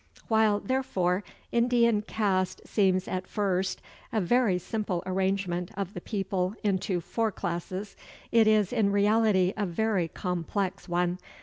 While, therefore, Indian caste seems at first a very simple arrangement of the people into four classes, it is in reality a very complex one.